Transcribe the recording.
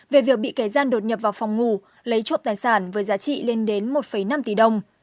về việc bị kẻ gian đột nhập vào phòng ngủ lấy trộm tài sản với giá trị lên đến một năm tỷ đồng